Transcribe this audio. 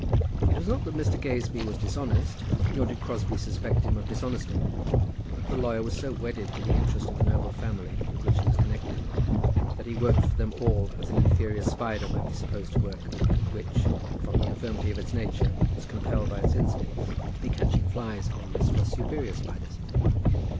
It was not that Mr. Gazebee was dishonest; nor did Crosbie suspect him of dishonesty; but the lawyer was so wedded to the interest of the noble family with which he was connected, that he worked for them all as an inferior spider might be supposed to work, which, from the infirmity of its nature, was compelled by its instincts to be catching flies always for superior spiders.